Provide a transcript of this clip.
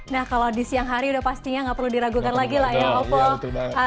nah kalau di siang hari udah pastinya nggak perlu diragukan lagi lah ya opol